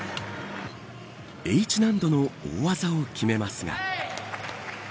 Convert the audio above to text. Ｈ難度の大技を決めますが。